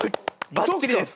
ばっちりです。